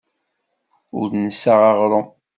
Ur d-nessaɣ aɣrum.